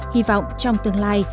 hy vọng trong tương lai